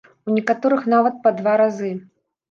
У некаторых нават па два разы.